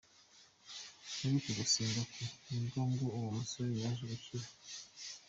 Muri uko gusenga kwe, nibwo ngo uwo musore yaje gukira.